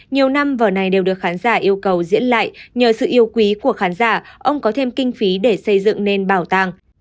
nhiều năm vở này đều được khán giả yêu cầu diễn lại nhờ sự yêu quý của khán giả ông có thêm kinh phí để xây dựng nên bảo tàng